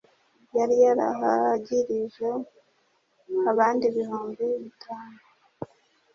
yari yarahagirije abantu ibihumbi bitanu.